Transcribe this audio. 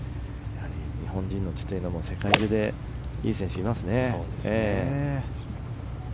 日本人の血というのも世界中でいい選手がいますね。